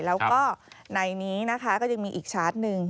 แล้วก็ในนี้นะคะก็ยังมีอีกชาร์จหนึ่ง